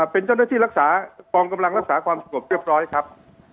เป็นเจ้าหน้าที่รักษากองกำลังรักษาความสงบเรียบร้อยครับ